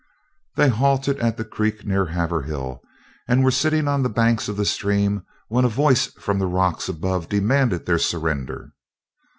They halted at the creek near Haverhill, and were sitting on the banks of the stream, when a voice from the rocks above demanded their surrender.